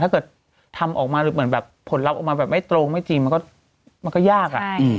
ถ้าเกิดทำออกมาผลลับของมาแบบไม่ตรงไม่จริงมันก็ยาก